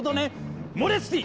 モレツティ！